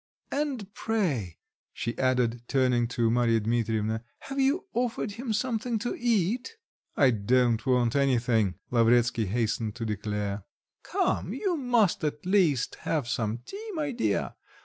And pray," she added, turning to Marya Dmitrievna, "have you offered him something to eat?" "I don't want anything," Lavretsky hastened to declare. "Come, you must at least have some tea, my dear.